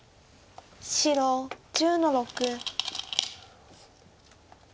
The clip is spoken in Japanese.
白１０の六。